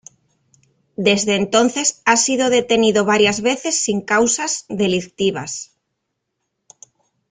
Desde entonces ha sido detenido varias veces sin causas delictivas.